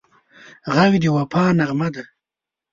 غږ د وفا نغمه ده